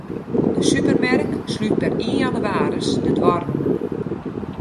De supermerk slút per ien jannewaris de doarren.